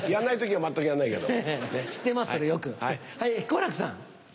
はい好楽さん。